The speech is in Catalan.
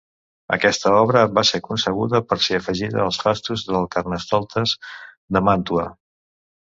Aquesta obra va ser concebuda per ser afegida als fastos dels carnestoltes de Màntua.